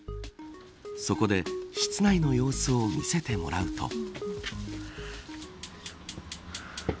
そこで室内の様子を見せてもらうと。